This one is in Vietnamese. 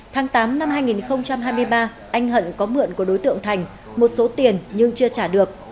tháng tám năm hai nghìn hai mươi ba anh hận có mượn của đối tượng thành một số tiền nhưng chưa trả được